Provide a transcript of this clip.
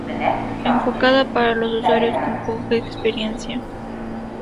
Enfocada para los usuarios con poca experiencia.